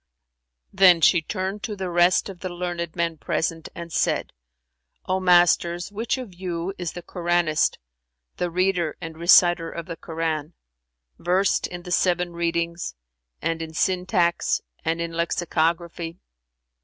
Then she turned to the rest of the learned men present and said, "O masters, which of you is the Koranist, the reader and reciter of the Koran, versed in the seven readings and in syntax and in lexicography?"